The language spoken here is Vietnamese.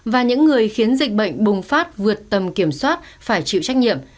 và những người khiến dịch bệnh bùng phát vượt tầm kiểm soát phải chịu trách nhiệm